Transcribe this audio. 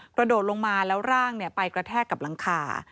กระโดดลงมาแล้วร่างไปกระแทกกับหลังคา